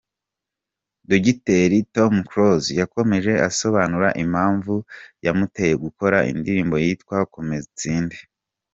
Dogiteri Tom Close, yakomeje asobanura impamvu yamuteye gukora indirimbo yitwa Komeza Utsinde.